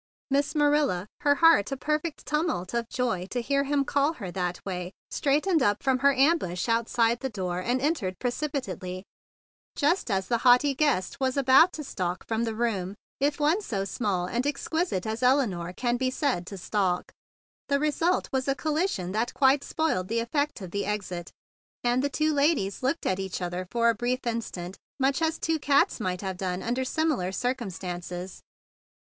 Miss Marilla, her heart a perfect tumult of joy to hear him call her that way, straightened up from her ambush outside the door, and entered precipi¬ tately, just as the haughty guest was THE BIG BLUE SOLDIER 173 about to stalk from the room, if one so small and exquisite as Elinore can be said to stalk. The result was a collision that quite spoiled the effect of the exit, and the two ladies looked at each other for a brief instant much as two cats might have done under similar circumstances.